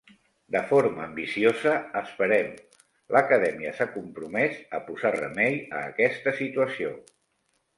De forma ambiciosa, esperem, l'Acadèmia s'ha compromès a posar remei a aquesta situació.